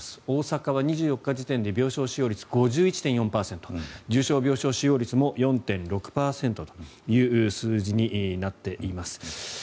大阪は２４日時点で病床使用率、５１．４％重症病床使用率も４．６％という数字になっています。